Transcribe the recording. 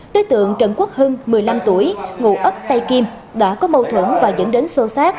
đối tượng trần quốc hưng một mươi năm tuổi ngụ ấp tây kim đã có mâu thuẫn và dẫn đến sâu sát